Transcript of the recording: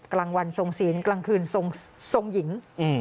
กลางวันทรงศีลกลางคืนทรงหญิง